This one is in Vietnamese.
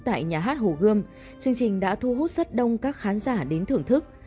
tại nhà hát hồ gươm chương trình đã thu hút rất đông các khán giả đến thưởng thức